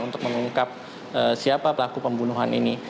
untuk mengungkap siapa pelaku pembunuhan ini